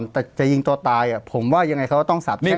แต่จะยิงตัวตายอ่ะผมว่ายังไงเขาต้องสับเที่ยงเงิน